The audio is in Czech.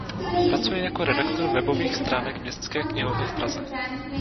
Pracuje jako redaktor webových stránek Městské knihovny v Praze.